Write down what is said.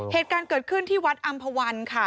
เหตุการณ์เกิดขึ้นที่วัดอำภาวันค่ะ